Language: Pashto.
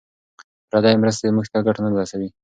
پردۍ مرستې موږ ته ګټه نه رسوي.